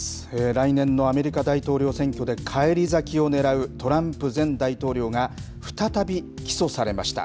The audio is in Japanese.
来年のアメリカ大統領選挙で返り咲きを狙うトランプ前大統領が、再び起訴されました。